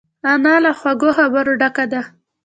انا له خوږو خبرو ډکه ده